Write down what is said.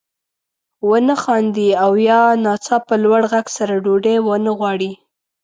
ونه خاندي او یا ناڅاپه لوړ غږ سره ډوډۍ وانه غواړي.